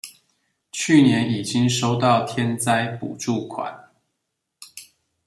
去年已經收到天災補助款